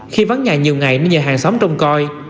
khi vắng nhà nhiều ngày nên nhờ hàng xóm trông coi